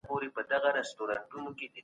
د نفقې په اندازه کي فقهاء اختلاف لري.